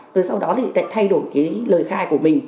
rồi sau đó thì lại thay đổi cái lời khai của mình